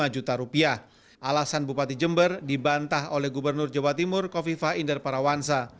juta rupiah alasan bupati jember dibantah oleh gubernur jawa timur kofifa inderparawansa